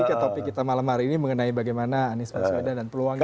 ke topik kita malam hari ini mengenai bagaimana anies mas medan dan peluangnya